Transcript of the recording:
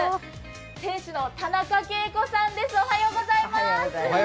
店主の田中圭子さんです、おはようございます。